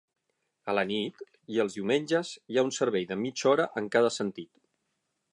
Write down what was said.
A la nit i els diumenges hi ha un servei de mitja hora en cada sentit.